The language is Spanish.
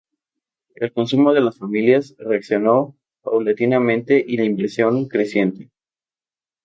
El consumo de las familias reaccionando paulatinamente, y la inversión creciente.